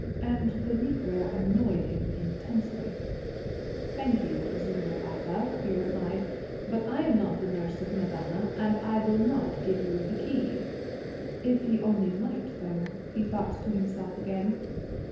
And the Negro annoyed him intensely. 'Thank you, Zümbül Agha,' he replied, 'but I am not the nurse of madama, and I will not give you the key.' If he only might, though, he thought to himself again!